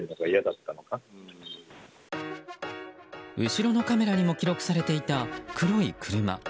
後ろのカメラにも記録されていた黒い車。